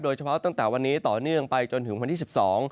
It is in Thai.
โดยเฉพาะตั้งแต่วันนี้ต่อเนื่องไปจนถึงพันที่๑๒